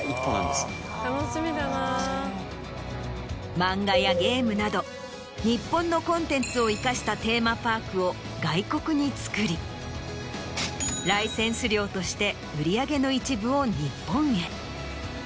漫画やゲームなど日本のコンテンツを生かしたテーマパークを外国に造りライセンス料として売り上げの一部を日本へ。